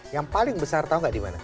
yang paling besar tahu nggak di mana